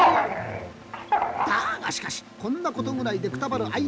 だがしかしこんなことぐらいでくたばる相手ではなかった。